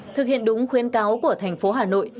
thực hiện đúng khuyến cáo của thành phố hà nội